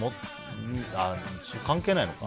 関係ないか。